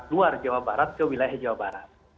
luar jawa barat ke wilayah jawa barat